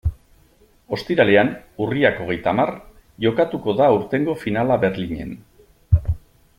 Ostiralean, urriak hogeita hamar, jokatuko da aurtengo finala Berlinen.